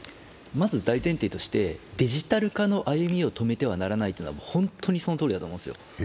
まず大前提としてデジタル化の歩みを止めてはいけないというのは本当にそのとおりだと思うんですよ。